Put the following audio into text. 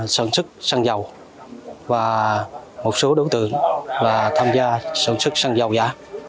sản xuất xăng dầu và một số đối tượng tham gia sản xuất xăng dầu giả